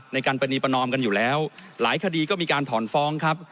ในการประนีประนอมกันอยู่แล้วหลายคดีก็มีการถอนฟ้องครับ